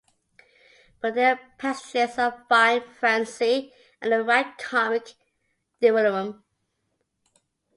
But there are passages of fine frenzy and the right comic delirium.